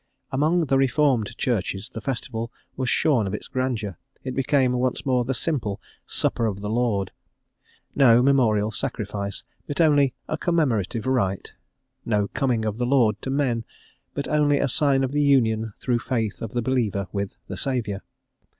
Among the Reformed Churches the festival was shorn of its grandeur; it became once more the simple "supper of the Lord," no memorial sacrifice, but only a commemorative rite; no coming of the Lord to men, but only a sign of the union through faith of the believer with the Saviour.